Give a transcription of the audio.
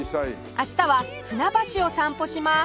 明日は船橋を散歩します